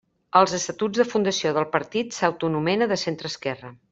Als estatuts de fundació del partit s'autoanomena de centreesquerra.